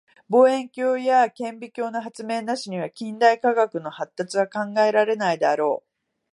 望遠鏡や顕微鏡の発明なしには近代科学の発達は考えられないであろう。